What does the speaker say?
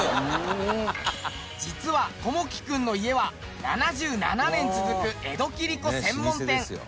実は朋樹君の家は７７年続く江戸切子専門店。